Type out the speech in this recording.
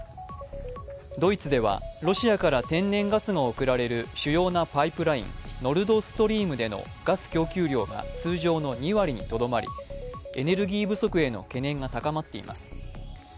ドイツではロシアから天然ガスが送られる主要なパイプライン、ノルドストリームでのガス供給量が通常の２割にとどまり、エネルギー不足への懸念が高まっています。